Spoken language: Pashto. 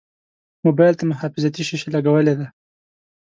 موبایل ته محافظتي شیشه لګولې ده.